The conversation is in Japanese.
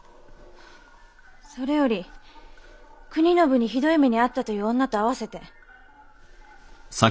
それより国宣にひどい目に遭ったという女と会わせて。